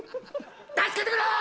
助けてくれー！